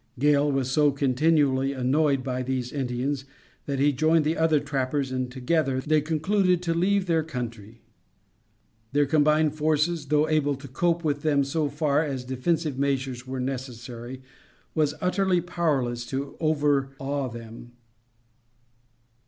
Gale was so continually annoyed by these Indians that he joined the other trappers and together they concluded to leave their country. Their combined forces, though able to cope with them so far as defensive measures were necessary, was utterly powerless to overawe them.